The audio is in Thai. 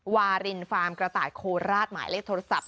วารินฟาร์มกระต่ายโคราชหมายเลขโทรศัพท์